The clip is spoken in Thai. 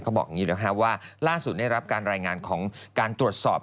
บอกอย่างนี้นะคะว่าล่าสุดได้รับการรายงานของการตรวจสอบ